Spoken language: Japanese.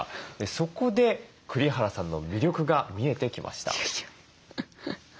そこで栗原さんの魅力が見えてきました。